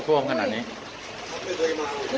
สุดท้ายสุดท้าย